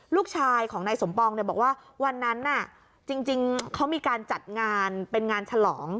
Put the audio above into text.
ลูกชายของนายสมปองเนี่ยบอกว่าวันนั้นจริงเขามีการจัดงานเป็นงานฉลอง